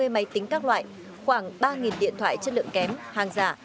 hai mươi máy tính các loại khoảng ba điện thoại chất lượng kém hàng giả